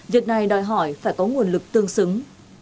việc này đòi hỏi phải có nguồn lực tương xứng